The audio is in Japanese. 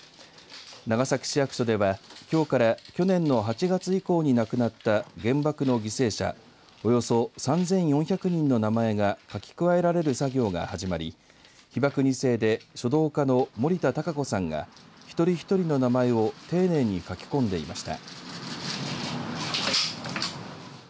長崎市役所ではきょうから去年の８月以降に亡くなった原爆の犠牲者およそ３４００人の名前が書き加えられる作業が始まり被爆２世で書道家森田孝子さんが一人一人の名前を丁寧に書き込んでいました。